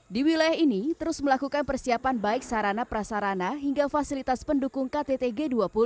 di wilayah ini terus melakukan persiapan baik sarana prasarana hingga fasilitas pendukung ktt g dua puluh